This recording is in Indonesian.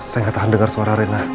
saya gak tahan dengar suara rena